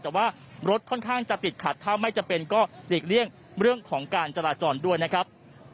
แต่ว่ารถค่อนข้างจะติดขัดถ้าไม่จำเป็นก็หลีกเลี่ยงเรื่องของการจราจรด้วยนะครับ